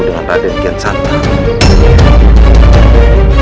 dengan rade kian santang